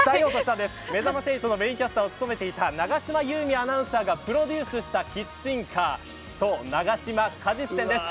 めざまし８のメーンキャスターを務めていた永島優美アナウンサーがプロデュースしたキッチンカーそう、永島果実店です。